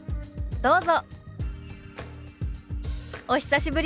どうぞ。